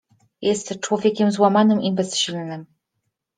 — Jestem człowiekiem złamanym i bezsilnym!